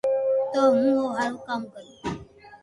تو ھون او ھارو ڪاو ھي